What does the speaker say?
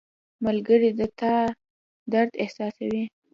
• ملګری د تا درد احساسوي.